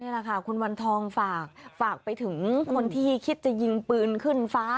แหละค่ะคุณวันทองฝากไปถึงคนที่คิดจะยิงปืนขึ้นฟ้า